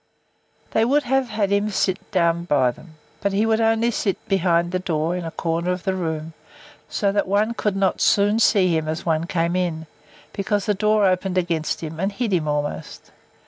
They would have had him sit down by them; but he would only sit behind the door, in the corner of the room, so that one could not soon see him as one came in; because the door opened against him, and hid him almost.